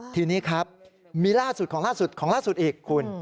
ทีนี้ครับมีล่าสุดของล่าสุดของล่าสุดอีกคุณ